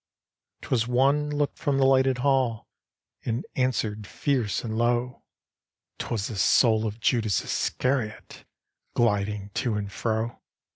'Twas one looked from the lifted hall, And answered fierce and low, " 'Twas the soul of Judas Iscariot Gliding to and fro."